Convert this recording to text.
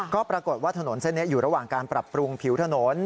ก็ปรากฏว่าถนนเส้นนี้อยู่ระหว่างการปรับปรุงผิวถนน